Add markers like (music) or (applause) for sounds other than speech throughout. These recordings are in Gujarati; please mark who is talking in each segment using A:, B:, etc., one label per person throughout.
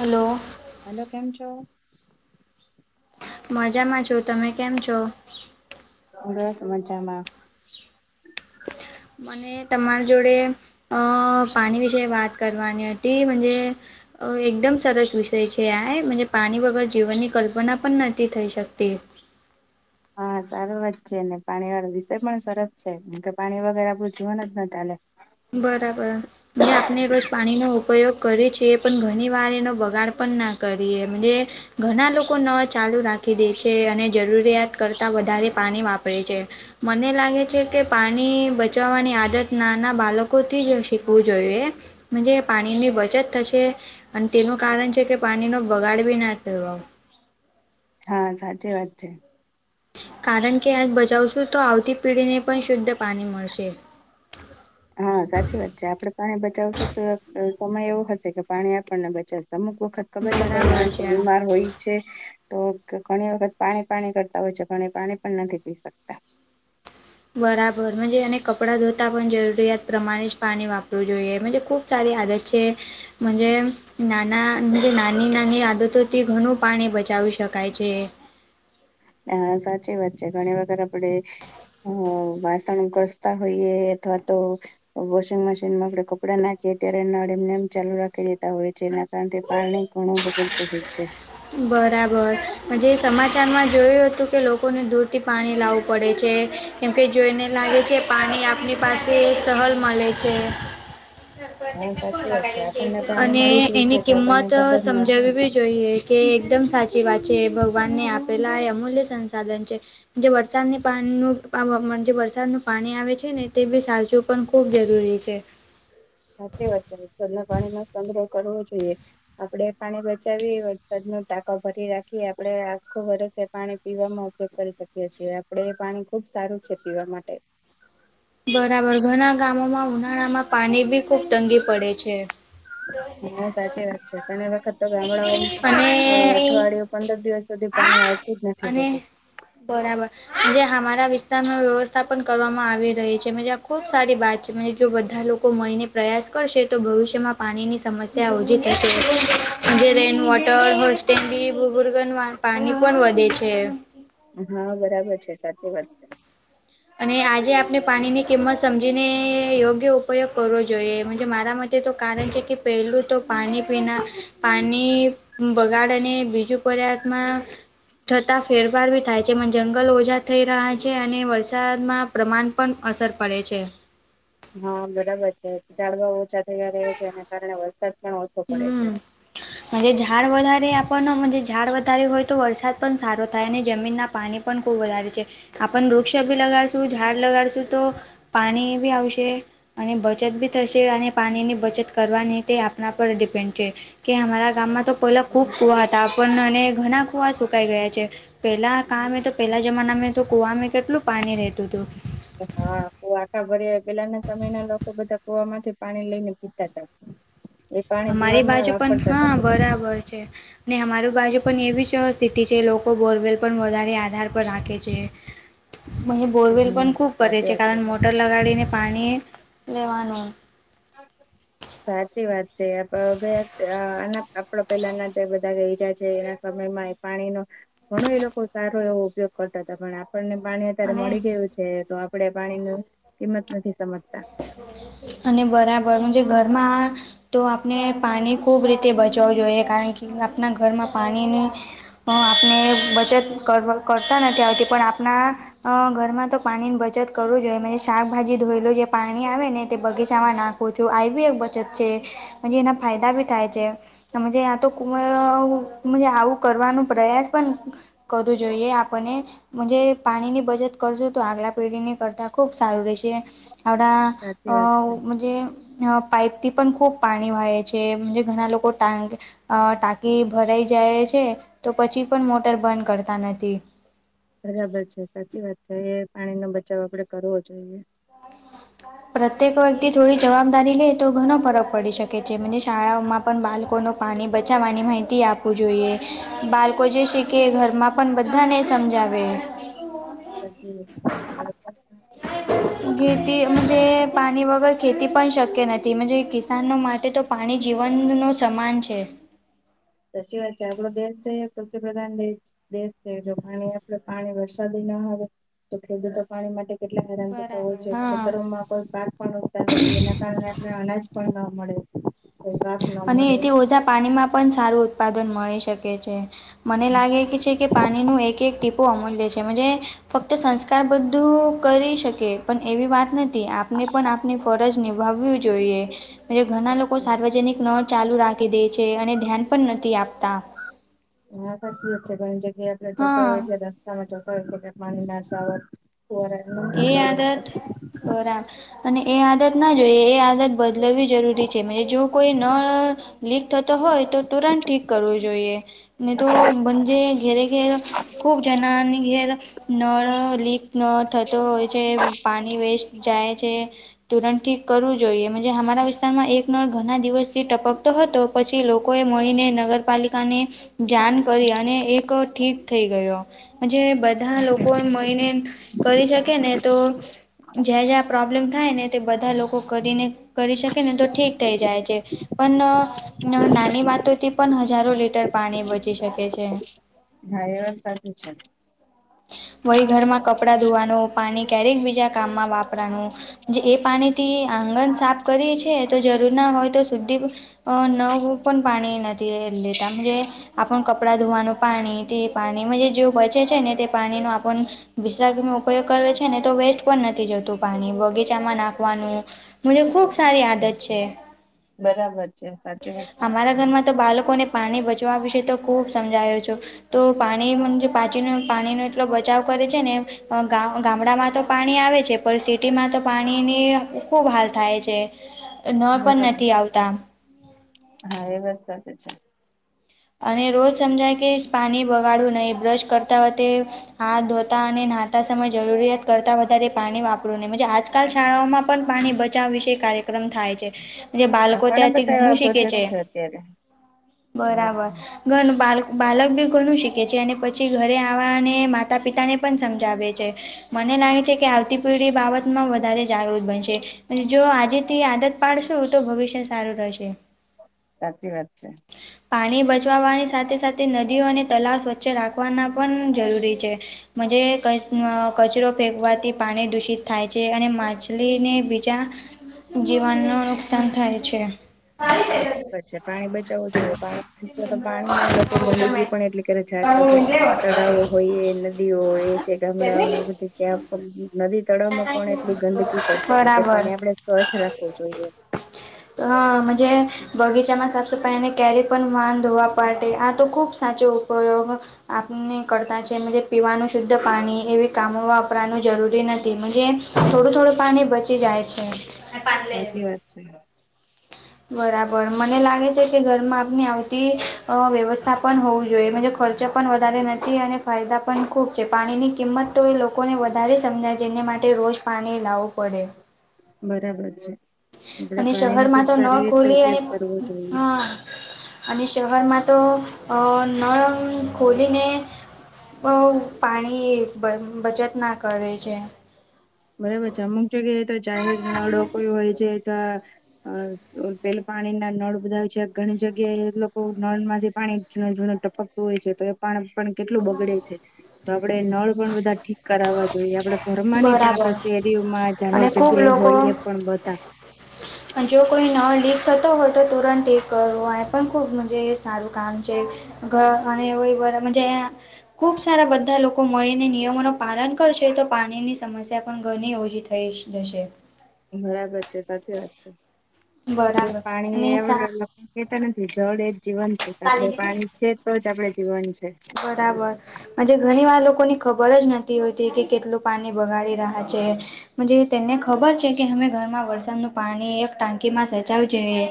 A: હલો.
B: હેલો કેમ છો?
A: મજામાં છો તમે કેમ છો?
B: બસ મજામાં.
A: મને તમારી જોડે પાણી વિશે વાત કરવાની હતી. એકદમ સરસ વિષય છે આ એ મ પાણી વગર જીવનની કલ્પના પણ નથી થઈ શકતી
B: હા સારું વાત છે ને પાણી વાળો વિષય પણ સરસ છે કેમ કે પાણી વગેર આપણું જીવન જ ના ચાલે
A: બરાબર આપણે રોજ પાણીનો ઉપયોગ કરીએ છીએ પણ ઘણી વાર એનો બગાડ પણ ના કરીએ ઘણા લોકો નળ ચાલુ રાખી દે છે અને જરૂરિયાત કરતા વધારે પાણી વાપરે છે. મને લાગે છે કે પાણી બચાવવાની આદત નાના બાળકોથી જ શીખવું જોઈએ પાણીની બચત થશે અને તેનું કારણ છે કે પાણીનો બગાડ ભી ના થયો
B: હા સાચી વાત છે.
A: કારણ કે આગ બચાવશું તો આવતી પેઢીને પણ શુદ્ધ પાણી મળશે.
B: હા સાચી વાત છે આપડણે પાણી બચાવશું તો સમય એવો હશે કે પાણી આપણને બચાવશે અમુક વખત કમેચ કોઈ
A: બરાબર
B: માણસ
A: છે
B: બીમાર હોય છે તો ઘણી વખત પાણી પાણી કરતા હોય છે, પણ એ પાણી પણ નથી પી શકતા
A: બરાબર મજે એને કપડાં ધોતા પણ જરૂરિયાત પ્રમાણે જ પાણી વાપરવું જોઈએ મજે ખૂબ સારી આદત છે મજે નાના નાની નાની આદતોથી ઘણું પાણી બચાવી શકાય છે.
B: હ સાચી વાત છે ઘણી વખત આપડે હ વાસણ ગસ્તા હોઈયે અથવા તો વોશિંગ મશીનમાં આપણે કપડા નાખીએ ત્યારે એના એમનેમ ચાલુ રાખી દેતા હોય છે. કારણ તે પાણી ઘણું બગડતુ હોય છે.
A: બરાબર. હજે સમાચારમાં જોયું હતું કે લોકોને દૂરથી પાણી લાવું પડે છે. કેમકે જોઈને લાગે છે પાણી આપણી પાસે સહલ મળે છે.
B: હા સાચી વાત છે આપણને પાણી
A: અને
B: મળી જાય
A: એની
B: છે તો
A: કિંમત
B: આપણને કદર ન
A: સમજાવવી
B: થાય.
A: જોઈએ કે એકદમ સાચી વાત છે ભગવાન ને આપેલા એ અમૂલ્ય સંસાધન છે. જે વરસાદની પાણી નુ જે વરસાદનું પાણી આવે છે ને તે બી સાવચું પણ ખૂબ જરૂરી છે.
B: સાચી વાત છે તરના પાણી નો સંગ્રહ કરવો જોઈએ. આપડે પાણી બચાવી વરસાદ નું ટાંકો ભરી રાખીએ આપડે આખું વરસેે પાણી પીવામાં ઉપયોગ કરી શકીએ છીએ આપડે એપાણી ખુબ સારું છે પીવા માટે
A: બરાબર ઘણા ગામોમાં ઉનાળામાં પાણી ભી ખુબ તંગી પડે છે.
B: હા સાચી વાત છે પણ એ વખત તો ગામડાઓમાં ઓ
A: અને
B: અઠવાડિયું પંદર દિવસ સુધી પાણી આવતું જ નથી
A: અને
B: હોતું.
A: બરાબર જે અમારા વિસ્તારમાં વ્યવસ્થા પણ કરવામાં આવી રહે છે આ ખુબ સારી વાત છે જો બધા લોકો મળીને પ્રયાસ કરશે તો ભવિષ્યમાં પાણીની સમસ્યા ઓછી થશે જે રેઇન વોટર હોલસ્ટેન્ગી બૂબુર્ગન વા પાણી પણ વધે છે.
B: હા બરાબર છે સાચી વાત છે.
A: અને આજે આપણે પાણીની કિંમત સમજીને યોગ્ય ઉપયોગ કરવો જોઈએ મંજે મારામાં તે તો કારણ છે, કે પેલું તો પાણી પીના પાણી બગાડ અને બીજું કોરાથમાં થતાં ફેરફાર ભી થાય છે, એમાં જંગલ ઓછા થઈ રહ્યા છે અને વર સાદમાં પ્રમાણ પણ અસર પડે છે.
B: હા, બરાબર છે ઝાડવા ઓછા થયા રહ છે, એના કારણે વરસાદ પણ ઓછો પડે છે
A: હમ્મ ઝાડ વધારે આપણનો ઝાડ વધારે હોય, તો વરસાદ પણ સારો થાય અને જમીનના પાણી પણ ખૂબ વધારે છે આપણ વૃક્ષો બી લગાડશું ઝાડ લગાડશું તો. પાણી બી આવશે અને બચત બી થશે અને પાણીની બચત કરવાની તે આપ આપણા પર ડિપેન્ડ છે. કે અમારા ગામમાં તો પહેલા ખુબ કુવા હતા પણ અને ઘણા કુવા સુકાઈ ગયા છે. પેલા કા તો પેલા જમાના મે તો કુવામાં કેટલું પાણી રહેેતું હતું.
B: હા, કુવા આખા ભર્યા પેલાના સમયના લોકો બધા કુવા માથી પાણી લઈ ને પીતા હતા, એ પાણી
A: અમારી
B: પીવામાં
A: બાજુ પણ
B: વાપરતા હતા
A: હા
B: બધા
A: બરાબર છે. ને અમારું બાજુ પણ એવી જ સ્થિતિ છે, લોકો બોરવેલ પણ વધારે આધાર પર રાખે છે. બોરવેલ પણ
B: હમ
A: ખૂબ કરે
B: સાચી
A: છે,
B: વાત
A: કારણ મો ટર લગાડીને પાણી લેવાનું,
B: (unintelligible) સાચી વાત છે આપડ ગયા આના આપડે પેલાના જે બધા રહ્યા છે, એના સમયમાં પાણીનો ઘણો એ લોકો સારો એવો ઉપયોગ કરતા હતા, પણ આપણને પાણી અત્યારે
A: અને
B: મળી ગયું છે તો આપડે પાણી ન કિંમત નથી સમજતા.
A: અને બરાબર મજે ઘરમાં તો આપણે પાણી ખૂબ રીતે બચાવવું જોઈએ કારણ કે આપણા ઘરમાં પાણીની, અ આપને બચત કરતા નથી આવતી પણ આપણા. અ ઘરમાં તો પાણીની બચત કરવું જોઈએ શાકભાજી ધોયેલ છે. પાણી આવે ને તે બગીચામાં નાખું છું આવી બી એક બચત છે પ જે એના ફાયદા બી થાય છે. આ તો ક આવું કરવાનો પ્રયાસ પણ કરવું જોઈએ, આપને જ પાણી ની બચત કરશું તો આગલા પેઢીની કરતા ખુબ સારું રહેશે.
B: સાચી વાત છે
A: આવડાજે, અ પાઈપ થી પણ ખૂબ પાણી વય છે, જ ઘણા લોકો ટાક અ ટાંકી ભરાઈ જાય છે તો પછી પણ મોટર બંધ કરતા નથી.
B: બરાબર છે સાચી વાત છે એ પાણી નો બચાવ આપડે કરવો જોઈએ.
A: પ્રત્યેક વ્યક્તિ થોડી જવાબદારી લે તો ઘણ ફરક પડી શકે છે શાળાઓમાં, પણ બાળકોનું પાણી બચાવવાની માહિતી આપવું જોઈએ, બાળકો જે શીખે ઘરમાં પણ બધાને સમજાવે.
B: (unintelligible)
A: ખેતી પાણી વગર ખેતી પણ શક્ય નથી, કિસાનો માટે તો પાણી જીવનનો સમાન છે,
B: સાચી વાત છે આપો દેશ છે, પૃપ્રધાન દેશ દેશ છે જો પાણી આપડ પાણી વરસાદી ના આવે તો ખેડૂતો પાણી માટે કેટલા થતા હો
A: બરાબર છે.
B: જોઈએ,
A: હા
B: કોઈ પાક પણતા નથી એના કારણે આપને અનાજ પણના મળે. કોઈ પાક ન
A: અને
B: મળે
A: એથી ઓછા પાણીમાં પણ સારું ઉત્પાદન મળી શકે છે, મને લાગે છે કે પાણી ન એક એક ટીપો અમૂલ્ય છે. ફક્ત સંસ્કાર બધું કરી શકે પણ એવી વાત નથી, આપને પણ ની ફરજ નિભાવવી જોઈએ. એલે ઘણા લોકો સાર્વજનિક ન ચાલુ રાખી દે છે, અને ધ્યાન પણ નથી આપતા
B: હ સાકી જ છે ઘણી જગ્યાએ આપણે ચતા
A: હા
B: હોય રસ્તામાં ચતા હોય પાણી નાશાવત. કોરા.
A: એ આદત બરા. અને એ આદતના જોઈએ એ આદત બદલાવવી જરૂરી છે મ જો કોઈ ન. લીક થતો હોય તો તુરંત ઠીક કરવું જોઈએ ને તો બંજે ઘેરે ઘેર. ખૂબ જણા ઘેર. નળ લીક ન થતો હોય છે પાણી વેસ્ટ જાય છે. તુરણ થી કરવું જોઈએ અમારા વિસ્તારમાં એકનો ઘણા દિવસ થી ટપકતો હતો. પછી લોકો એ મળીને નગરપાલિકાને. જાન કરી અને એક ઠીક થઈ ગયો. જે બધા લોકોને મળીને. કરી શકે ને તો જ્યાં જ્યાં પ્રોબ્લેમ થાય ને તે બધા લોકો કરીને. કરી શકે ને તો ઠીક થઈ જાય છે. પણ નાની વાતોથી પણ હજારો લીટર પાણી બચી શકે છે.
B: હ એવ સાચી છે.
A: વય ઘરમાં કપડાં ધોવાનું પાણી ક્યારેક બીજા કામમાં વાપરાનું. જે એ પાણીથી આંગણ સાફ કરી છે તો જરૂર ના હોય તો સુદ્ધી. નવ પણ પણ પાણી નથી એ લતાજ. આપ કપડાં ધોવાનું પાણી તે પાણી જે બચે છે ને તે પાણી ન આપણ. વિશ્રાગનો ઉપયોગ કર છે ને તો વેસ્ટ પણ નથી જતું પાણી બગીચામાં નાખવાનું. મુજ ખુબ સારી આદત છે
B: બરાબર છે સાચી વાત છે.
A: અમારા ઘરમાં તો બાળકોને. પાણી બચવા વિશે તો ખૂબ સમજાયો છો તો પાણી જે પાચીનો પાણીનો. એટલો બચાવ કરે છે ને. ગામડામાં તો પાણી આવે છે પણ સિટીમાં તો પાણીની ખૂબ હાલ થાય છે. (inaudible) પણ
B: બરાબર
A: નથી આવતા
B: હા એ વાત સાચી છે.
A: અને રોજ સમજાય કે જ પાણી બગાડવું નહીં બ્રશ કરતા વખતે હાથ ધોતા અને નાહતા સમય જરૂરિયાત કરતા વધારે પાણી વાપરવુ નહી આજ કાલ શાળાઓમાં પણ પાણી બચાવ વિશે કાર્યક્રમ થાય છે. જે
B: આ
A: બાળકો
B: ઘણા
A: ત્યાંથી
B: બધા
A: ઘણું
B: એવા
A: શીખે
B: પ્રોજેક્ટ
A: છે
B: અત્યારે
A: બરાબર
B: હા
A: તેમ બાલ બાલક બી ઘણું શીખે છે અને પછી ઘરે આવવાને માતા પિતાને પણ સમજાવે છે. મને લાગે છે કે આવતી પેઢી બાલક માંવધારે જાગૃત બનશે. અને જો આજે થી આદત પાડશો તો ભવિષ્ય સારું રહેશે.
B: સાચી વાત છે.
A: પાણી બજ બચાવાની સાથે સાથે નદીઓ અને તલાવ સ્વચ્છ રાખવાના પણ જરૂરી છે. (unintelligible) કચરો ફેંકવાથી પાણી દૂષિત થાય છે અને માછલીને બીજા જીવનનું નુકસાન થાય છે.
B: ખબર છે પાણી બચાવવું જોઈએ પાણી જો તો પાણીમાં લોકો ગંદકી પણ એટલી કરી જાય તો આપડે તળાવો હોય એ નદીઓ હોય છે ગામડાઓમાં બધી ત્યાં પણ નદી તળાવમાં પણ એટલી ગંદકી કરે છે જે
A: બરાબર
B: પાણી આપણે સ્વચ્છ રાખવું જોઈએ.
A: અ મજામાં બગીચામાં સાફસફાઈ અને ક્યારેય પણ વાન ધોવા પડે આ તો ખૂબ સાચો ઉપયોગ આપને કરતા છે પીવાનું શુદ્ધ પાણી એવી કામો વાપરાનું જરૂરી નથી. એની જેમ થોડું થોડું પાણી બચી જાય છે.
B: સાચી વાત છે.
A: બરાબર મને લાગે છે કે ઘરમાં આપની આવતી વ્યવસ્થા પણ હોવું જોઈએ ખર્ચ પણ વધારે નથી અને ફાયદા પણ ખૂબ છે પાણીની કિંમત તો એ લોકોને વધારે સમજાય ને માટે રોજ પાણી લાવું પડે
B: બરાબર છે. આપડે
A: અને
B: પાણીનો ખુબ
A: શહેરમાં તો
B: સારી
A: નળ
B: રીતે
A: ખુલી અને
B: ઉપયોગ કરવો
A: હ
B: જોઈએ.
A: અને શહેરમાં તો નળ ખોલીને બહુ પાણી બંધ બચત ના કરે છે.
B: બરાબર છે અમુક જગ્યાએ તો જાહેર નળહોકરિયું હોય છે ત્યાં અ પેલું પાણી ના નળ બધા છે ઘણી જગ્યાએ લોકો નળ માંથી પાણી જીણું જીણું ટપકતું હોય છે તો એ પાણ પણ કેટલું બગડે છે. તો આપડે નળ પણ બધા ઠીક કરાવવા જોઈએ આપડે ઘરમાં ને ત્યાં
A: બરાબર
B: કચેરીઓમાં જાહેર
A: અને ખૂબ
B: જગ્યાએ
A: લોકો
B: હોય એ પણ બધા.
A: જો કોઈ નળ લીક થતો હોય તો તુરંત ઠીક કરવો એ પણ ખૂબ મજે સારું કામ છે. ઘ અને (unintelligible) ખૂબ સારા બધા લોકો મળીને નિયમોનું પાલન કરશે તો પાણીની સમસ્યા પણ ઘરની ઓછી થાય થઈશ જશે.
B: બરાબર છે સાચી વાત છે જે
A: બરાબર અને
B: પાણી
A: સા
B: (unintelligible) કહેતા નથી જળ એજ જીવન છે આપડે પાણી છે તો જ આપડે જીવન છે.
A: બરાબર ઘણી વાર લોકોની ખબર જ નથી હોતી કે કેટલું પાણી બગાડી રહ્યા છે. તેને ખબર છે કે અમે ઘરમાં વરસાદનું પાણી એક ટાંકીમાં સચાવ જોઈએ.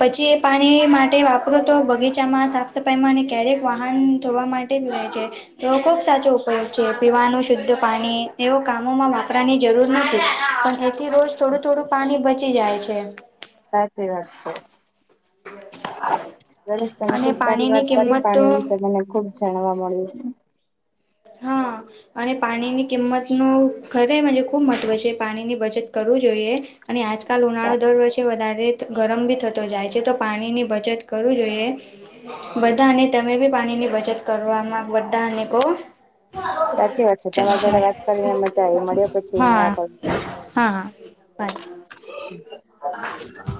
A: પછી એ પાણી માટે વાપરો તો બગીચામાં સાફ સફાઈમાં અને ક્યારેક વાહન ધોવા માટે જ હોય છે. તો ખુબ સાચો ઉપયોગ છે પીવાનું શુદ્ધ પાણી એવો કામોમાં કપડાની જરૂર નથી પણ એથી રોજ થોડું થોડું પાણી બચી જાય છે..
B: સાચી વાત છે. ગણેશ તમે
A: અને
B: ખુબ સારી
A: પાણીની
B: વાત કરી
A: કિંમત તો
B: પાણી વિશે મને ખુબ જાણવા મળ્યું છે.
A: હા અને પાણીની કિંમત ન ખરે ખૂબ મહત્વ છે પાણીની બચત કરવું જોઈએ અને આજકાલ ઉનાળો દર વર્ષે કે વધારે ગરમ બી થતો જાય છે તો પાણીની બચત કરવી જોઈએ બધાને તમે બી પાણી ની બચત કરવામાં બધાને બહુ
B: સાચી વાત છે તમારી
A: ચલો
B: જોડે વાત કરીને મજા આવી મળ્યો પછી
A: બાય
B: નવા
A: હા
B: કોલ
A: હા હા બાય
B: (inaudible)